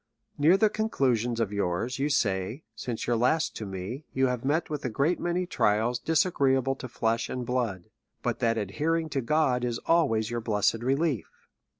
Near the conclusion of your's, you say, since your last to me, you have met with a great many trials dis agreeable to flesh and blood, but that adhering to God is always your blessed relief.